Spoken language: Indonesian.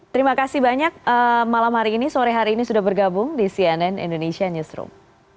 terima kasih banyak malam hari ini sore hari ini sudah bergabung di cnn indonesia newsroom